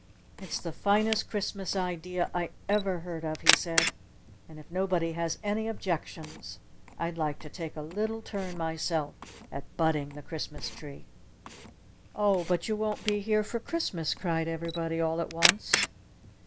"It's the finest Christmas idea I ever heard of!" he said. "And if nobody has any objections I'd like to take a little turn myself at budding the Christmas tree!" "Oh, but you won't be here for Christmas!" cried everybody all at once.